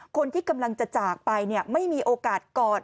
คนที่กำลังจะจากไปไม่มีโอกาสกอด